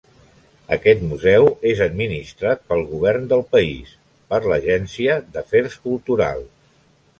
Aquest museu és administrat pel govern del país, per l'Agència d'Afers Culturals.